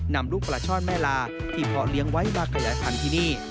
นำลูกปลาช่อนแม่ลาที่เพาะเลี้ยงไว้มาขยายพันธุ์ที่นี่